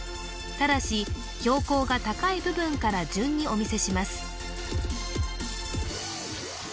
ただし標高が高い部分から順にお見せします